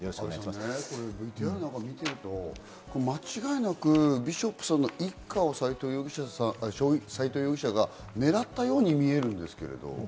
ＶＴＲを見ていると間違いなくビショップさんの一家を斎藤容疑者がねらったように見えるんですけれど。